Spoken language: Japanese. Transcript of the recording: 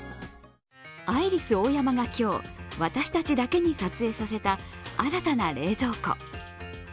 アイリスオーヤマが今日、私たちだけに撮影させた新たな冷蔵庫。